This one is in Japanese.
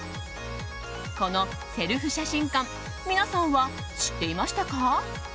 このセルフ写真館皆さんは知っていましたか？